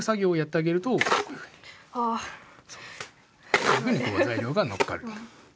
こういうふうに材料がのっかる。